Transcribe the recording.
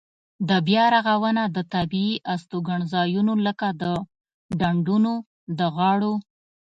دا بیا رغونه د طبیعي استوګنځایونو لکه د ډنډونو د غاړو.